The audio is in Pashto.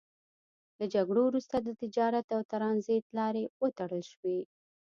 له جګړو وروسته د تجارت او ترانزیت لارې وتړل شوې.